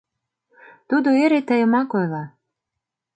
Тудо эре тыйымак ойла.